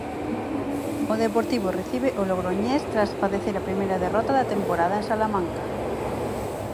O Deportivo recibe o Logroñés tras padecer a primeira derrota da temporada en Salamanca.